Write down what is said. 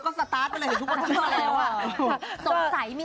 กลางแม่นก็คืออันที่นี่